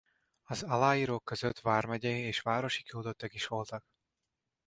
Az aláírók között vármegyei és városi küldöttek is voltak.